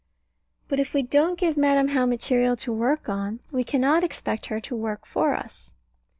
But if we don't give Madam How material to work on, we cannot expect her to work for us.